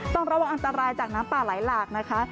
ต้องระวังอันตรายจากน้ำป่าไหลหลากนะคะ